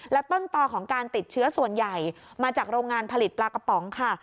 แล้วต้นต่อของการติดเชื้อส่วนใหญ่มาจากโรงงานผลิตปลากระป๋องค่ะ